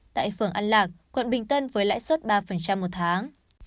tại phường an lạc quận bình tân với lãi suất ba một tháng